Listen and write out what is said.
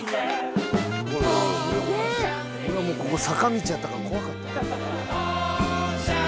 ここ坂道やったから怖かった。